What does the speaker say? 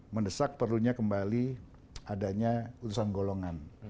mendesak perlunya kembali adanya utusan golongan